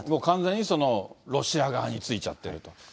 完全にそのロシア側についちゃってると。